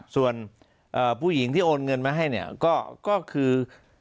ส่วนผู้หญิงที่โอนเงินมาให้เนี่ยก็คือ